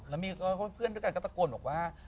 แล้วมีเพื่อนด้วยกันก็ตะโกนบอกว่า